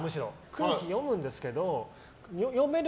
空気読むんですけど読める